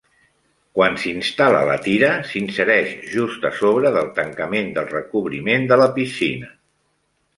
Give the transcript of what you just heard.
Quan s'instal·la la tira, s'insereix just a sobre del tancament del recobriment de la piscina.